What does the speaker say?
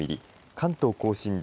関東甲信で